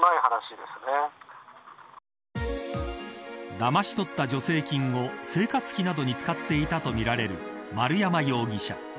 だまし取った助成金を生活費などに使っていたとみられる丸山容疑者。